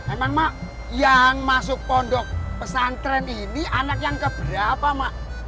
emang mak yang masuk pondok pesantren ini anak yang keberapa mak